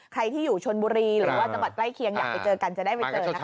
ใครที่อยู่ชนบุรีหรือว่าจังหวัดใกล้เคียงอยากไปเจอกันจะได้ไปเจอนะคะ